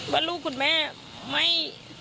ว่าลูกคุณแม่ไม่